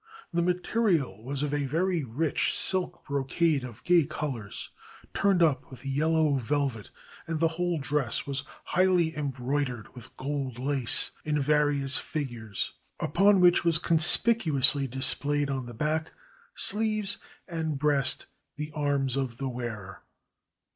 The material was of very rich silk brocade of gay colors, turned up with yellow velvet, and the whole dress was highly embroi dered with gold lace in various figures, upon which was conspicuously displayed on the back, sleeves, and breast the arms of the wearer.